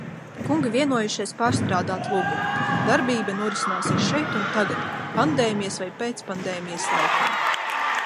Kungi vienojušies pārstrādāt lugu – darbība norisināsies šeit un tagad, pandēmijas vai "pēcpandēmijas" laikā.